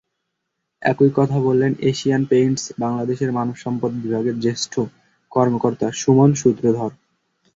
একই কথা বললেন এশিয়ান পেইন্টস বাংলাদেশের মানবসম্পদ বিভাগের জ্যেষ্ঠ কর্মকর্তা সুমন সূত্রধর।